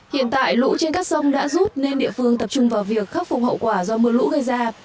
hiện tại lũ trên các sông đã rút nên địa phương tập trung vào việc khắc phục hậu quả do mưa lũ gây ra